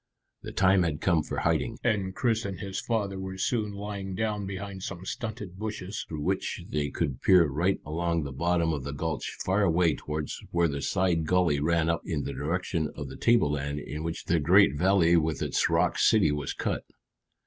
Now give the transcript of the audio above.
The time had come for hiding, and Chris and his father were soon lying down behind some stunted bushes through which they could peer right along the bottom of the gulch far away towards where the side gully ran up in the direction of the tableland in which the great valley with its rock city was cut.